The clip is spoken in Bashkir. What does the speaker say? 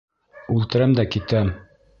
Үлтерәм дә китәм!